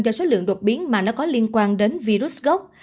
do số lượng đột biến mà nó có liên quan đến virus gốc